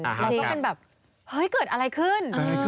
เราก็เป็นแบบเฮ้ยเกิดอะไรขึ้น